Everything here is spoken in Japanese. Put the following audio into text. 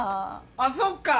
あっそっか！